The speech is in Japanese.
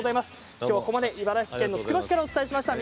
ここまで茨城のつくば市からお伝えしました。